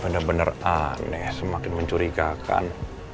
bener bener aneh semakin mencurigakan